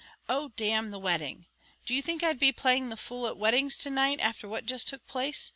"Oh! d n the wedding. Do you think I'd be playing the fool at weddings to night, afther what just took place?